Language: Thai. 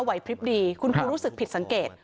พลิบดีคุณครูรู้สึกผิดสังเกต